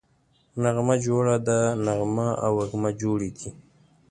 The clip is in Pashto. نغمه جوړه ده → نغمه او وږمه جوړې دي